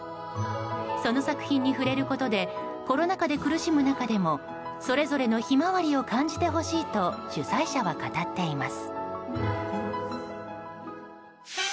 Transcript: その作品に触れることでコロナ禍で苦しむ中でもそれぞれの「ひまわり」を感じてほしいと主催者は語っています。